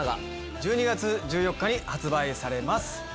１２月１４日に発売されます。